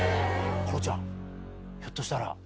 芭路ちゃんひょっとしたら。